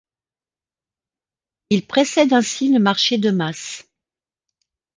Il précède ainsi le marché de masse.